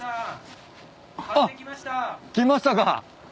あっ来ましたか。